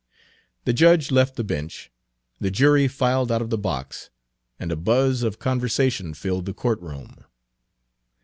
The judge left the bench, the jury filed out of the box, and a buzz of conversation filled the court room.